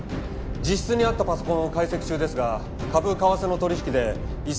自室にあったパソコンを解析中ですが株為替の取引で１０００万